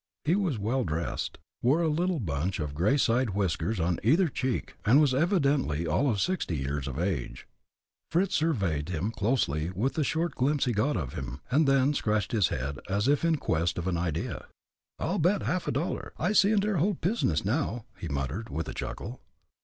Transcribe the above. He was well dressed, wore a little bunch of gray side whiskers on either cheek, and was evidently all of sixty years of age. Fritz surveyed him closely with the short glimpse he got of him, and then scratched his head as if in quest of an idea. "I'll bet a half dollar I see into der whole pizness now," he muttered, with a chuckle.